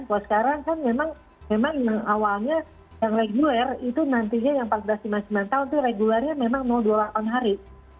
kalau sekarang kan memang awalnya yang reguler itu nantinya yang empat belas lima puluh sembilan tahun itu regulernya memang dua puluh delapan hari